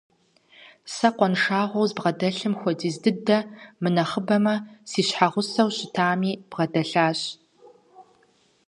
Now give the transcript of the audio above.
Сэ къуаншагъэу збгъэдэлъым хуэдиз дыдэ, мынэхъыбэмэ, си щхьэгъусэу щытами бгъэдэлъащ.